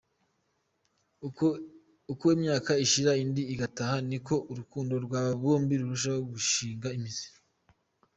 Uko imyaka ishira indi igataha, niko urukundo rw’aba bombi rurushaho gushing imizi .